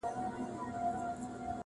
چي يوه به لاپي كړې بل به خندله!.